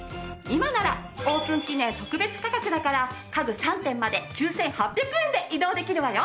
今ならオープン記念特別価格だから家具３点まで９８００円で移動できるわよ。